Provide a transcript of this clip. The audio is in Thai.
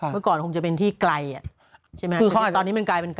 เมื่อก่อนคงจะเป็นที่ไกลอ่ะใช่ไหมครับตอนนี้มันกลายเป็นกลางเมือง